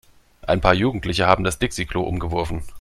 Ein paar Jugendliche haben das Dixi-Klo umgeworfen.